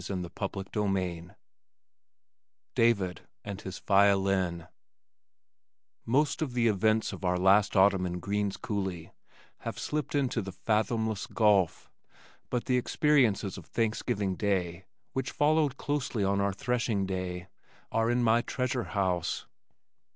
CHAPTER VI David and His Violin Most of the events of our last autumn in Green's Coulee have slipped into the fathomless gulf, but the experiences of Thanksgiving day, which followed closely on our threshing day, are in my treasure house.